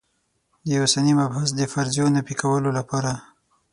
د اوسني مبحث د فرضیو نفي کولو لپاره.